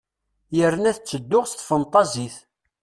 Yerna ad ttedduɣ s tfenṭazit.